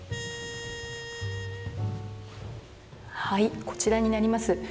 はいこちらになります。